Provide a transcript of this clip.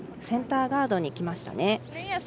センターガードにきました。